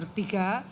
dan koridor tiga